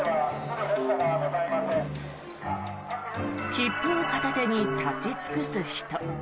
切符を片手に立ち尽くす人。